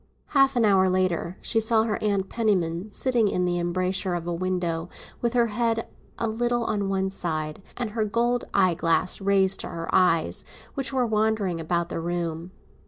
Half an hour later she saw her Aunt Penniman sitting in the embrasure of a window, with her head a little on one side, and her gold eye glass raised to her eyes, which were wandering about the room.